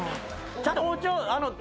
ちゃんと包丁。